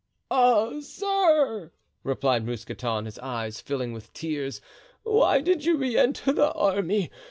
"Ah, sir," replied Mousqueton, his eyes filling with tears, "why did you re enter the army?